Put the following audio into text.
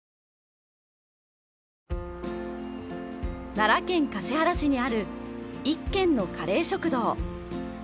奈良県橿原市にある一軒のカレー食堂。